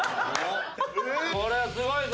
これはすごいぞ。